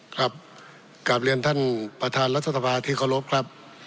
ครับกับเรียนท่านประธานรัฐศาสตร์ภาคที่ขอรบครับ